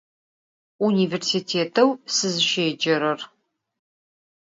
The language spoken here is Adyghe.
Vunivêrsitêteu sızışêcerer.